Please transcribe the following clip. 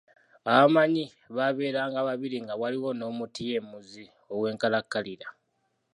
Abamanyi babeerenga babiri nga waliwo n’omutyemuzi ow’enkalakkalira.